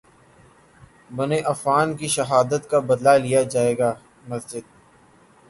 بن عفان کی شہادت کا بدلہ لیا جائے گا مسجد